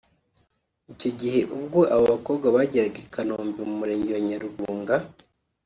Icyo gihe ubwo aba bakobwa bageraga i Kanombe mu murenge wa Nyarugunga